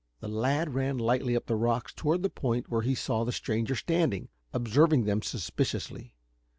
The lad ran lightly up the rocks toward the point where he saw the stranger standing, observing them suspiciously.